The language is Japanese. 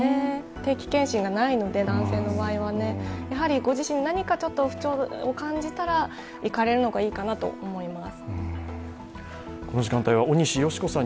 定期健診がないので、男性の場合はご自身に何か不調を感じたら行かれるのがいいかなと思います。